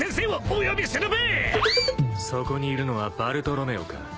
そこにいるのはバルトロメオか。